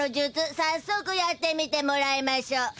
さっそくやってみてもらいましょう。